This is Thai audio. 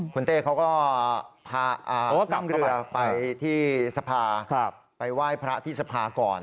คุณเต้เขาก็พานั่งเรือไปที่สภาไปไหว้พระที่สภาก่อน